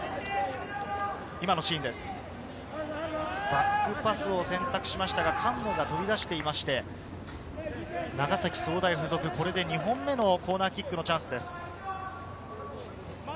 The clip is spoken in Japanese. バックパスを選択しましたが、菅野が飛び出していって長崎総大附属、２本目のコーナーキックのチャンスです。